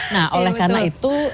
nah oleh karena itu